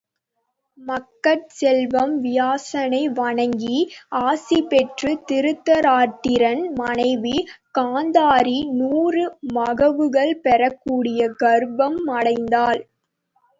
மக்கட் செல்வம் வியாசனை வணங்கி ஆசி பெற்றுத் திருதராட்டிரன் மனைவி காந்தாரி நூறு மகவுகள் பெறக்கூடிய கருப்பம் அடைந்தாள்.